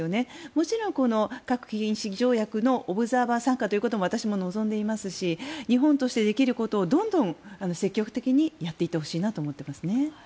もちろん核兵器禁止条約のオブザーバー参加ということも私も望んでいますし日本としてできることをどんどん積極的にやっていってほしいなと思っていますね。